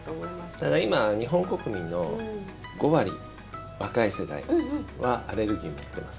ただ、今日本国民の５割若い世代はアレルギー持ってます。